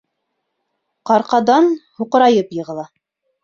Ҡарҡаданн һуҡырайып йығыла.